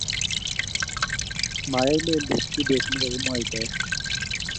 Mayai lelut kibet ne kakimwaitae